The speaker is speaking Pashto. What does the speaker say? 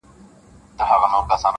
زه پر خپل ځان خپله سایه ستایمه-